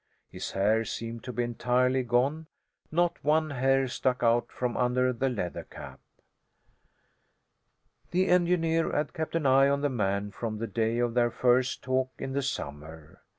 His hair seemed to be entirely gone; not one hair stuck out from under the leather cap. The engineer had kept an eye on the man from the day of their first talk in the summer.